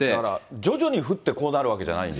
徐々に降ってこうなるわけじゃないんで。